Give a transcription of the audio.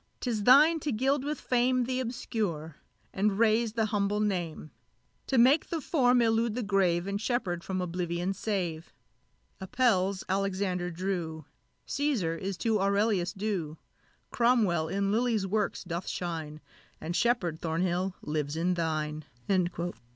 'tis thine to gild with fame Th' obscure, and raise the humble name; To make the form elude the grave, And Sheppard from oblivion save! Apelles Alexander drew Cæsar is to Aurelius due; Cromwell in Lilly's works doth shine, And Sheppard, Thornhill, lives in thine!"